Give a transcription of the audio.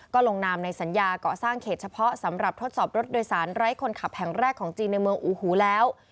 ก็ลงนามในสัญญาก่อสร้างเขตเฉพาะสำหรับทดสอบรถโดยสารไร้คนขับแห่งแรกของจีนในเมืองอูฮูแล้ว